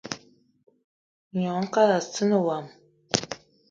Gnong kalassina wo.